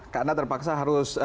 karena terpaksa harus